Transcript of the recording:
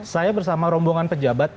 saya bersama rombongan pejabat